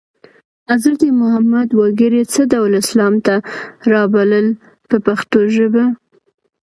حضرت محمد وګړي څه ډول اسلام ته رابلل په پښتو ژبه.